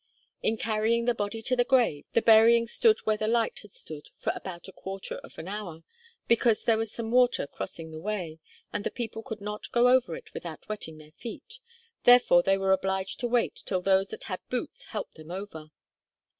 In carrying the body to the grave, the burying stood where the light had stood for about a quarter of an hour, because there was some water crossing the way, and the people could not go over it without wetting their feet, therefore they were obliged to wait till those that had boots helped them over.